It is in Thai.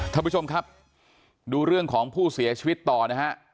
ท่านผู้ชมครับดูเรื่องของผู้เสียชีวิตต่อนะฮะ